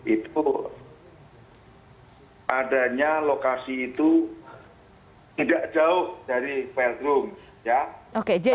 itu adanya lokasi itu tidak jauh dari velodrome